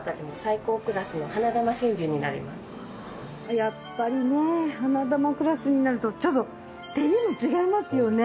やっぱりね花珠クラスになるとちょっとテリも違いますよね。